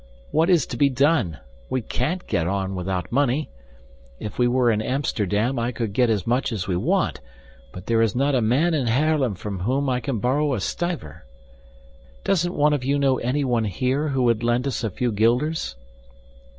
What is to be done? We can't get on without money. If we were in Amsterdam, I could get as much as we want, but there is not a man in Haarlem from whom I can borrow a stiver. Doesn't one of you know anyone here who would lend us a few guilders?"